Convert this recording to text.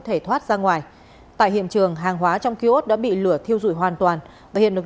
thể thoát ra ngoài tại hiện trường hàng hóa trong ký ốt đã bị lửa thiêu rụi hoàn toàn và hiện lực